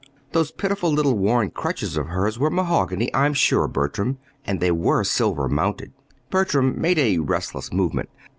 Those pitiful little worn crutches of hers were mahogany, I'm sure, Bertram, and they were silver mounted." Bertram made a restless movement.